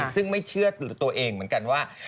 ซึ่งไม่เชื่อตัวเองเหมือนกันว่า